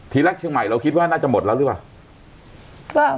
แรกเชียงใหม่เราคิดว่าน่าจะหมดแล้วหรือเปล่า